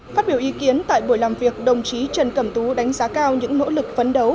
phát biểu ý kiến tại buổi làm việc đồng chí trần cẩm tú đánh giá cao những nỗ lực phấn đấu